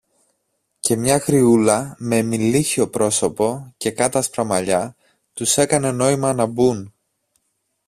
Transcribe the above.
και μια γριούλα με μειλίχιο πρόσωπο και κάτασπρα μαλλιά, τους έκανε νόημα να μπουν.